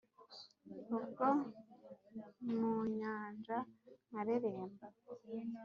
ubwo mu nyanja nkareremba